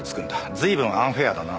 随分アンフェアだな。